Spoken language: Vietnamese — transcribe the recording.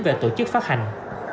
về tổ chức phát hành